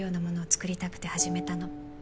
作りたくて始めたの